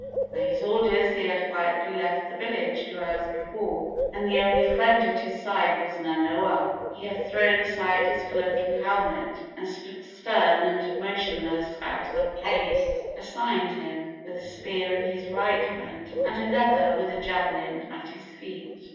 By his orders they had quietly left the village two hours before, and the only friend at his side was Nanoa. He had thrown aside his cloak and helmet, and stood stern and motionless at the place assigned him, with a spear in his right hand, and another, with a javelin, at his feet.